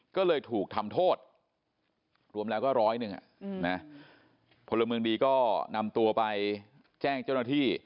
ก็เลยถูกทำโทษรวมแล้วก็ร้อยหนึ่งพลเมืองดีก็นำตัวไปแจ้งเจ้าหน้าที่